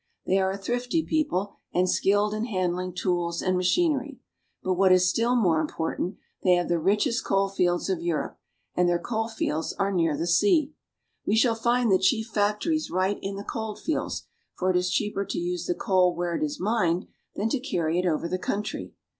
They are a thrifty people, and skilled in hand ling tools and machinery. But what is still more important, they have the richest coal fields of Europe, and their coal fields are near the sea. We shall find the chief factories right in the coal fields, for it is cheaper to use the coal where it is mined than to carry it over the country.